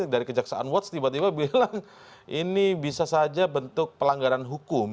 dari kejaksaan watch tiba tiba bilang ini bisa saja bentuk pelanggaran hukum